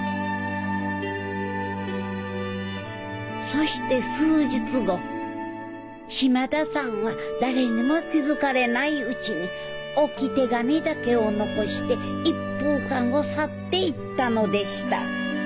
そして数日後島田さんはだれにも気づかれないうちに置き手紙だけを残して一風館を去っていったのでした。